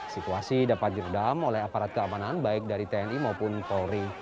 situasi dapat diredam oleh aparat keamanan baik dari tni maupun polri